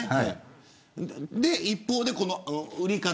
一方で、この売り方。